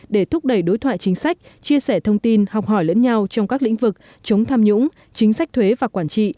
để thúc đẩy đối thoại chính sách chia sẻ thông tin học hỏi lẫn nhau trong các lĩnh vực chống tham nhũng chính sách thuế và quản trị